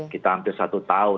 kita hampir satu tahun